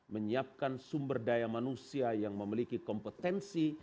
menyiapkan sumber daya manusia yang memiliki kompetensi